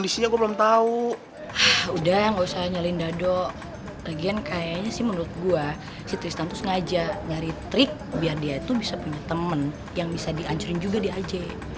sebenernya sih menurut gua si tristan tuh sengaja nyari trik biar dia tuh bisa punya temen yang bisa di ancurin juga di aj